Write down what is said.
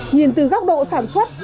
nhìn từ góc độ sản xuất